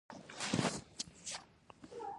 د کوکنارو پر ځای زعفران کرل کیږي